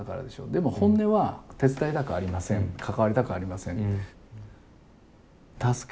でも本音は手伝いたくありません関わりたくありません。